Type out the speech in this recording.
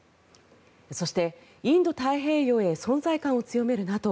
そして、インド太平洋へ存在感を強めるＮＡＴＯ